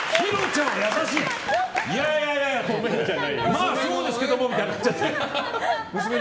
まあ、そうですけどもみたいになっちゃって。